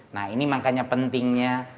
nah ini makanya pentingnya